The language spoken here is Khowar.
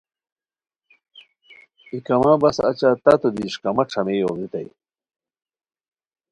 ای کما بس اچہ تتو دی اݰکامہ ݯھامئے اوبریتائے